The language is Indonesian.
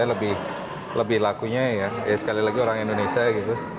tapi sebenarnya lebih lakunya sekali lagi orang indonesia